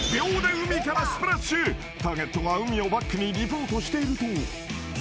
［ターゲットが海をバックにリポートしていると］